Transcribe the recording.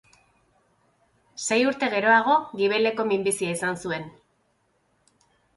Sei urte geroago, gibeleko minbizia izan zuen.